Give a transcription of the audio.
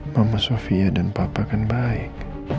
mama sofia dan papa kan baik